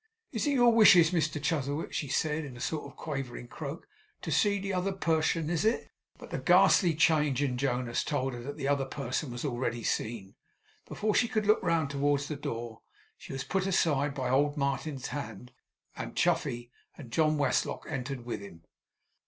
'It is your wishes, Mr Chuzzlewit,' she said, in a sort of quavering croak, 'to see the t'other person. Is it?' But the ghastly change in Jonas told her that the other person was already seen. Before she could look round towards the door, she was put aside by old Martin's hand; and Chuffey and John Westlock entered with him.